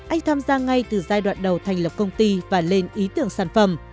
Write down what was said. anh tham gia ngay từ giai đoạn đầu thành lập công ty và lên ý tưởng sản phẩm